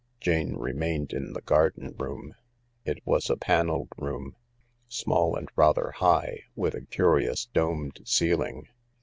Jane remained in the garden room. It was a panelled room, small and rather high, with a curious domed ceiling.